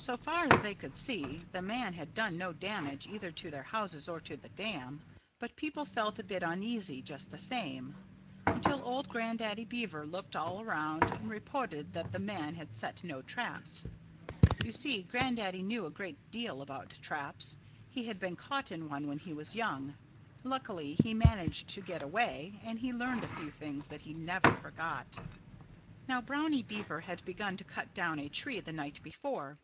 So far as they could see, the man had done no damage either to their houses or to the dam. But people felt a bit uneasy just the same, until old Grandaddy Beaver looked all around and reported that the man had set no traps. You see, Grandaddy knew a great deal about traps. He had been caught in one when he was young. Luckily, he managed to get away; and he learned a few things that he never forgot. Now, Brownie Beaver had begun to cut down a tree the night before.